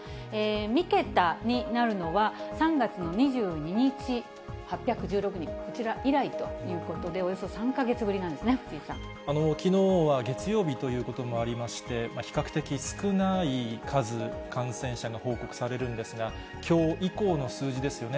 ３桁になるのは、３月の２２日、８１６人、こちら以来ということで、およそ３か月ぶりなんですね、きのうは月曜日ということもありまして、比較的少ない数、感染者が報告されるんですが、きょう以降の数字ですよね。